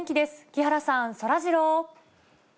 木原さん、そらジロー。